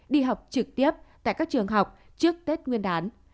đi học trực tiếp tại các trường học trước tết nguyên đán